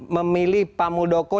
memilih pak muldoko